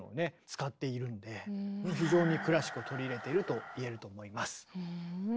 使っているんで非常にクラシックを取り入れてると言えると思います。